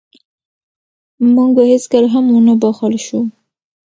موږ به هېڅکله هم ونه بښل شو.